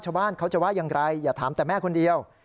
ชาวบ้านเขาจะว่าอย่างไรอย่าถามแต่แม่คนเดียว